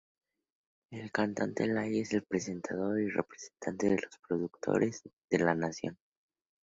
El cantante Lay es el presentador y representante de los productores de la nación.